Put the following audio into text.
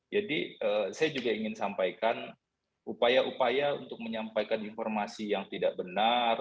jadi saya juga ingin sampaikan upaya upaya untuk menyampaikan informasi yang tidak benar